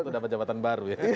atau dapat jabatan baru ya